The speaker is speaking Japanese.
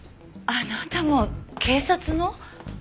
あなたも警察の？